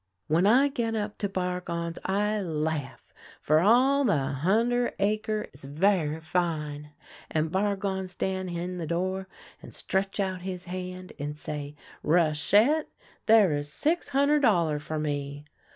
" When I get up to Bargon's I laugh, for all the hun der' acre is ver' fine, and Bargon stan' hin the door, and stretch out his hand, and say: ' Rachette, there is six hunder' dollar for me.'